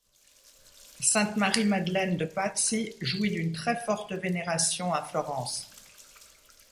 Sainte Marie-Madeleine de Pazzi jouit d'une très forte vénération à Florence.